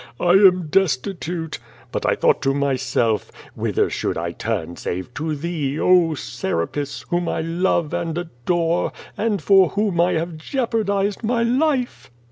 T am destitute. But I thought to myself, whither should I turn save to thee, oh, Serapis, whom I love and adore, and for whom I have jeopardized my life?'